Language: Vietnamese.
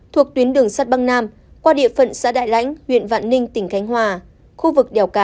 thuộc tuyến đường sắt băng nam qua địa phận xã đại lãnh huyện vạn ninh tỉnh khánh hòa khu vực đèo cả